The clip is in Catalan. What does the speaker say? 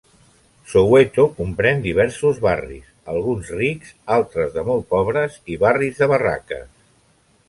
Soweto comprèn diversos barris, alguns rics, altres de molt pobres i barris de barraques.